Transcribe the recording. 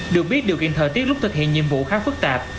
được biết điều kiện thời tiết lúc thực hiện nhiệm vụ khá phức tạp